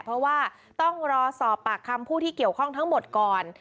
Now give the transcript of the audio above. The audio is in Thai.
เพราะว่าต้องรอสอบปากคำผู้ที่เกี่ยวข้องทั้งหมดก่อน